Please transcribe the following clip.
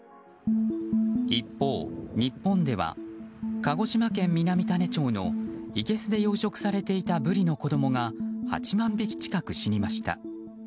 一方、日本では鹿児島県南種子町のいけすで養殖されていたブリの子供が８万匹近く死にました。